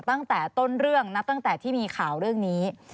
ตั้งแต่ต้นเรื่องนับตั้งแต่ที่มีข่าวเรื่องนี้